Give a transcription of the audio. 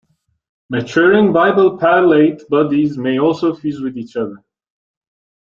Maturing Weibel-Palade bodies may also fuse with each other.